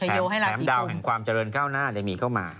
แถมดาวแห่งความเจริญก้าวหน้ามีเข้ามา